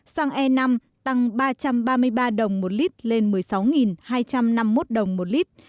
xăng e năm tăng ba trăm ba mươi ba đồng một lít lên một mươi sáu hai trăm năm mươi một đồng một lít